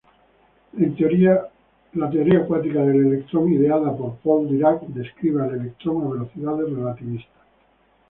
La teoría cuántica del electrón ideada Paul Dirac describe al electrón a velocidades relativistas.